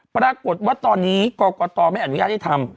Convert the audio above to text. ปรากฏว่าตอนนี้กรกตไม่อนุญาตให้ทำ